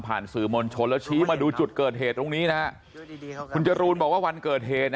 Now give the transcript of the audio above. สื่อมวลชนแล้วชี้มาดูจุดเกิดเหตุตรงนี้นะฮะคุณจรูนบอกว่าวันเกิดเหตุ